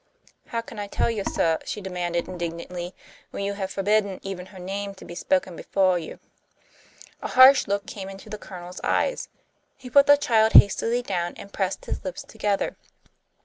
"How can I tell you, suh," she demanded, indignantly, "when you have fo'bidden even her name to be spoken befo' you?" A harsh look came into the Colonel's eyes. He put the child hastily down, and pressed his lips together.